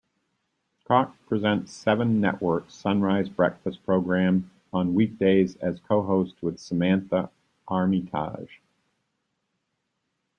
Koch presents Seven Network's "Sunrise" breakfast program on weekdays as co-host with Samantha Armytage.